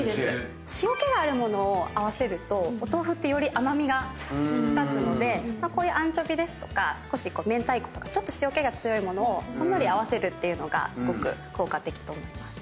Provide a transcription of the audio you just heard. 塩気がある物を合わせるとお豆腐ってより甘味が引き立つのでこういうアンチョビですとか明太子とかちょっと塩気が強い物をほんのり合わせるっていうのがすごく効果的と思います。